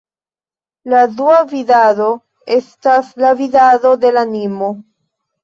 La dua vidado estas la vidado de la animo.